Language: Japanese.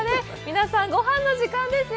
皆さん、ごはんの時間ですよ。